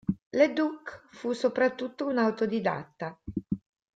Leduc fu soprattutto un autodidatta.